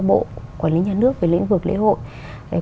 bộ quản lý nhà nước về lĩnh vực lễ hội